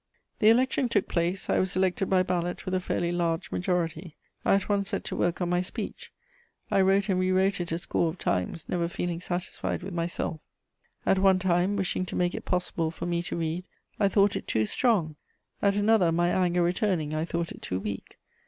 The election took place; I was elected by ballot with a fairly large majority. I at once set to work on my speech; I wrote and rewrote it a score of times, never feeling satisfied with myself: at one time, wishing to make it possible for me to read, I thought it too strong; at another, my anger returning, I thought it too weak.